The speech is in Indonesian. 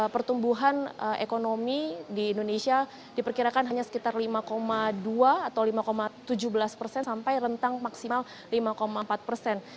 pertumbuhan ekonomi di indonesia diperkirakan hanya sekitar lima dua atau lima tujuh belas persen sampai rentang maksimal lima empat persen